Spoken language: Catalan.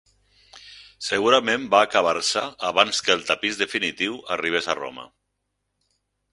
Segurament va acabar-se abans que el tapís definitiu arribés a Roma.